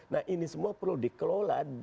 nah ini semua perlu dikelola